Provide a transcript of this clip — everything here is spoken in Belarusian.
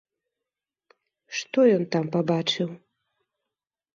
Што ён там пабачыў?